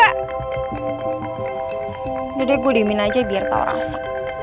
udah deh gue diemin aja biar tau rasa